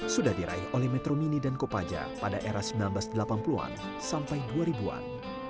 sudah diraih oleh metro mini dan kopaja pada era seribu sembilan ratus delapan puluh an sampai dua ribu an